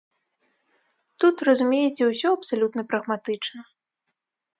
Тут, разумееце, усё абсалютна прагматычна.